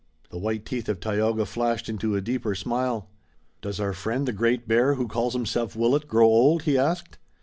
The white teeth of Tayoga flashed into a deeper smile. "Does our friend, the Great Bear, who calls himself Willet, grow old?" he asked.